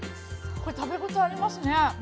食べ応えありますね。